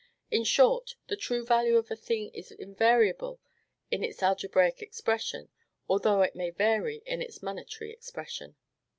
In short, the true value of a thing is invariable in its algebraic expression, although it may vary in its monetary expression.